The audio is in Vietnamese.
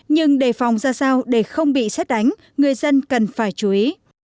nhưng đề phòng ra sao để không bị xét đánh người dân cần phải chú ý